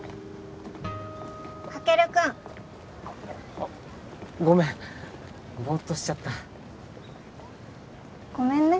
あごめんボーッとしちゃったごめんね